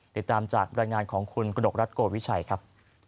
ติดตามจากรายงานของคุณกระดกรัฐโกวิชัยครับ